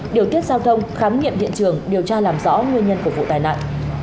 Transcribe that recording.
điều tiết giao thông khám nghiệm hiện trường điều tra làm rõ nguyên nhân của vụ tai nạn